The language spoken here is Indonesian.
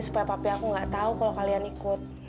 supaya papi aku gak tau kalo kalian ikut